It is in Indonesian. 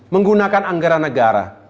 menggunakan anggaran negara